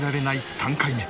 ３回目。